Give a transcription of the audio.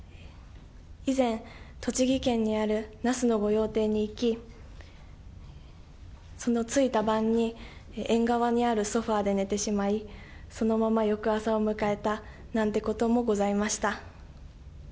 以前、栃木県にある那須の御用邸に行き、その着いた晩に縁側にあるソファーで寝てしまい、そのまま翌朝を迎えたなんてこともございました。